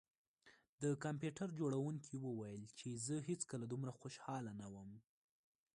د کمپیوټر جوړونکي وویل چې زه هیڅکله دومره خوشحاله نه وم